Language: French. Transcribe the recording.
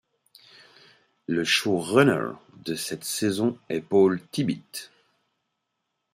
Le show runner de cette saison est Paul Tibbitt.